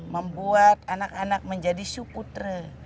membuat anak anak menjadi sukutre